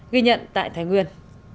ghi nhận tại thái nguyên